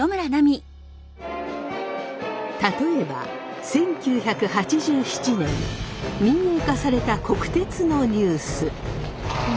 例えば１９８７年民営化された国鉄のニュース。